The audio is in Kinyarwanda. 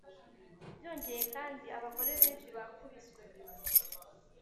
Byongeye kandi abagore benshibakubiswe